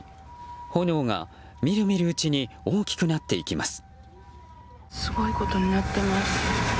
炎がみるみるうちに大きくなっていきます。